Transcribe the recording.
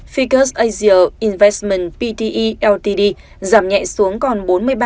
ficus asia investment pte ltd giảm nhẹ xuống còn bốn mươi ba năm